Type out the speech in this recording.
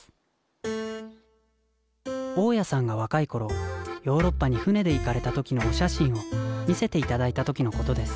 大家さんが若い頃ヨーロッパに船で行かれた時のお写真を見せて頂いた時のことです